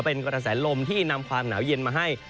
เป็นกระแสลมที่นำความหนาวเย็นมาให้